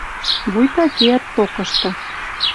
Вуйта кеӓт токышты.